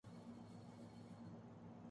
مہک اُداسی ہے، باد ِ صبا اُداسی ہے